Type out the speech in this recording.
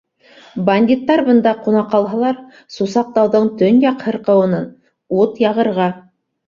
Бандиттар бында ҡуна ҡалһалар, Сусаҡ-тауҙың төньяҡ һырҡыуына ут яғырға.